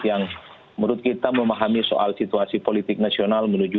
yang menurut kita memahami soal situasi politik nasional menuju dua ribu dua puluh empat